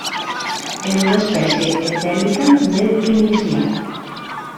És una espècie endèmica de Tunísia.